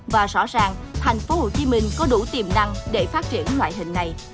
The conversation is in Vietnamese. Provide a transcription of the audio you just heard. và rõ ràng thành phố hồ chí minh có đủ tiềm năng để phát triển loại hình này